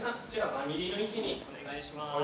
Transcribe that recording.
バミリの位置にお願いします。